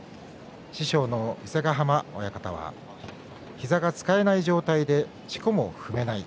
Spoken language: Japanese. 師匠の伊勢ヶ濱親方は膝が使えない状態でしこも踏めない。